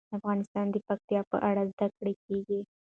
افغانستان کې د پکتیا په اړه زده کړه کېږي.